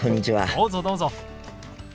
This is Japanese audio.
どうぞどうぞ。